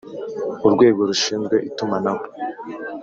Urwego rushinzwe itumanaho